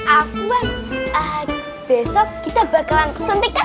afwan besok kita bakalan suntikan